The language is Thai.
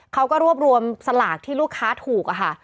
เขาก็รวบรวมสลากที่ลูกค้าถูกค่ะ